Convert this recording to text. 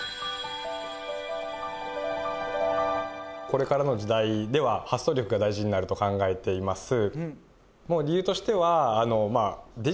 これからの時代では発想力が大事になると考えています。